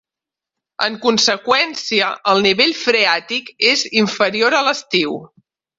En conseqüència, el nivell freàtic és inferior a l'estiu.